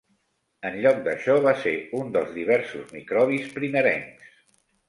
En lloc d'això, va ser un dels diversos microbis primerencs.